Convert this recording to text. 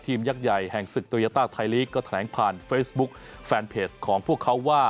ยักษ์ใหญ่แห่งศึกโตยาต้าไทยลีกก็แถลงผ่านเฟซบุ๊คแฟนเพจของพวกเขาว่า